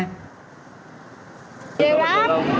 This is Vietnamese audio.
nó nhiều lắm